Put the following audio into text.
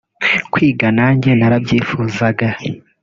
Kwiga nanjye narabyifuzaga